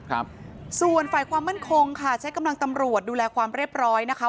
ครับส่วนฝ่ายความมั่นคงค่ะใช้กำลังตำรวจดูแลความเรียบร้อยนะคะ